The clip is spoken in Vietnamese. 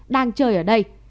đang chơi ở đây